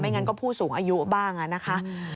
งั้นก็ผู้สูงอายุบ้างนะคะ